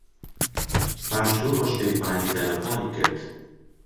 پاش دوو ڕۆژ عیرفانی تەلەفۆنی کرد.